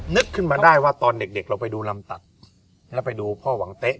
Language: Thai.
นึกขึ้นมาได้ว่าตอนเด็กเราไปดูลำตัดแล้วไปดูพ่อหวังเต๊ะ